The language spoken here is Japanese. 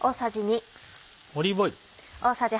オリーブオイル。